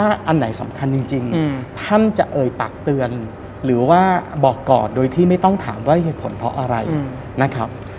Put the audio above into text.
อันไหนสำคัญจริงท่านจะเอ่ยปากเตือนหรือว่าบอกกอดโดยที่ไม่ต้องถามว่าเหตุผลเพราะอะไรนะครับ